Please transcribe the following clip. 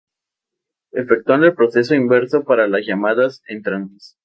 Efectuando el proceso inverso para las llamadas entrantes.